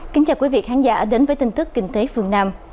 kính chào quý vị khán giả đến với tin tức kinh tế phương nam